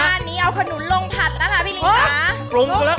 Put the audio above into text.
ด้านนี้เอาขนุนลงถัดนะคะพี่ลิน่า